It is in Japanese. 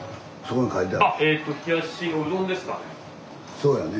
そうやね。